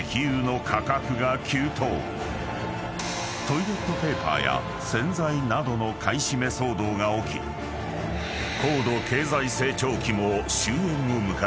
［トイレットペーパーや洗剤などの買い占め騒動が起き高度経済成長期も終焉を迎えマイナス成長に］